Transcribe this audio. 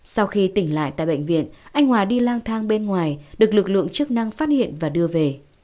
sau khi tỉnh lại tại bệnh viện anh hòa đi lang thang bên ngoài được lực lượng chức năng phát hiện và đưa về